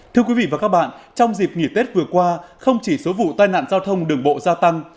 thưa quý vị và các bạn trong dịp nghỉ tết vừa qua không chỉ số vụ tai nạn giao thông đường bộ gia tăng